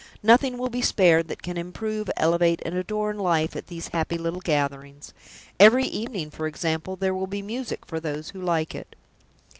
Nothing will be spared that can improve, elevate, and adorn life at these happy little gatherings. Every evening, for example, there will be music for those who like it."